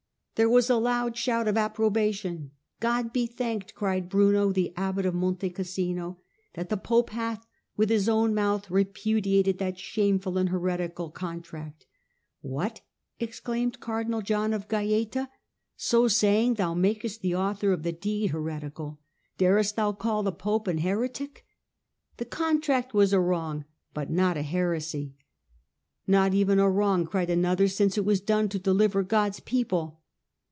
There was a loud shout of approbation. * God be thanked!' cried Bruno, the abbot of Monte Cassino, * that the pope hath, with his own mouth, repudiated that shameful and heretical contract.' 'What!' ex claimed cardinal John of Gaeta, ' so saying thou makest the author of the deed heretical ; darest thou call the pope an heretic ? The contract was a wrong, but not a heresy.' ' Not even a wrong,' cried another, * since it was done to deliver God's people.'